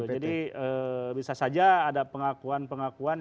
jadi bisa saja ada pengakuan pengakuan